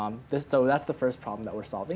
jadi itulah masalah pertama yang kami lakukan